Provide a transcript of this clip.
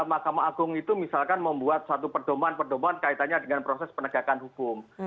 mahkamah agung itu misalkan membuat satu perdoman pedoman kaitannya dengan proses penegakan hukum